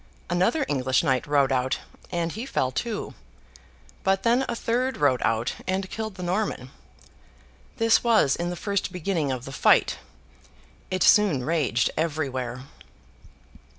Another English Knight rode out, and he fell too. But then a third rode out, and killed the Norman. This was in the first beginning of the fight. It soon raged everywhere.